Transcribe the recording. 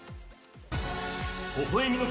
ほほ笑みの国